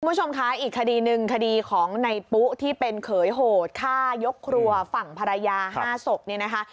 คุณผู้ชมคะอีกคดีหนึ่งคดีของในปุ๊ที่เป็นเขยโหดฆ่ายกครัวฝั่งภรรยา๕ศพเนี่ยนะคะ